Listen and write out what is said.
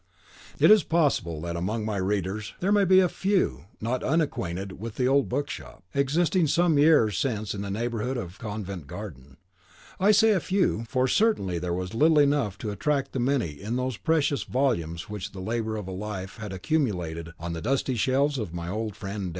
It is possible that among my readers there may be a few not unacquainted with an old book shop, existing some years since in the neighbourhood of Covent Garden; I say a few, for certainly there was little enough to attract the many in those precious volumes which the labour of a life had accumulated on the dusty shelves of my old friend D